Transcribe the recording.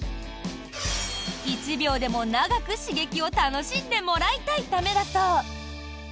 １秒でも長く刺激を楽しんでもらいたいためだそう。